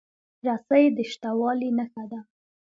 رسۍ د شته والي نښه ده.